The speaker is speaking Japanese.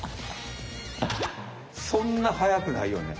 そんなはやくないよね。